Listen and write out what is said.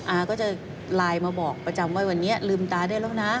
อาก็จะไลน์มาบอกประจำว่าวันนี้ลืมตาได้แล้วนะ